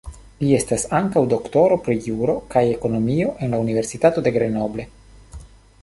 Il estas ankaŭ doktoro pri juro kaj ekonomiko en la Universitato de Grenoble.